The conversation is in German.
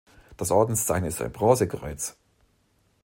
Das Ordenszeichen ist ein Bronzekreuz.